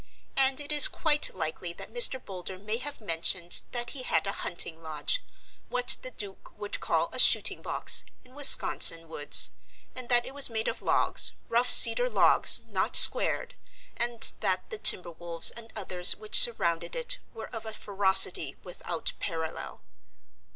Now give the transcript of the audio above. And it is quite likely that Mr. Boulder may have mentioned that he had a hunting lodge what the Duke would call a shooting box in Wisconsin woods, and that it was made of logs, rough cedar logs not squared, and that the timber wolves and others which surrounded it were of a ferocity without parallel.